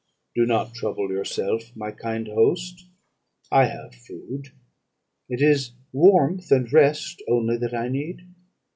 "'Do not trouble yourself, my kind host, I have food; it is warmth and rest only that I need.'